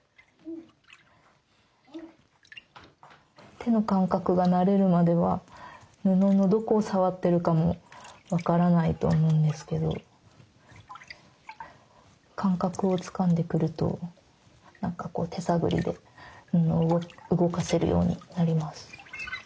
手の感覚が慣れるまでは布のどこを触ってるかも分からないと思うんですけど感覚をつかんでくると何かこう手探りで布を動かせるようになります。